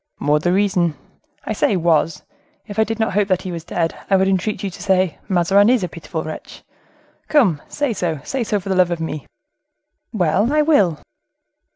"More the reason—I say was; if I did not hope that he was dead, I would entreat you to say: 'Mazarin is a pitiful wretch.' Come, say so, say so, for love of me." "Well, I will."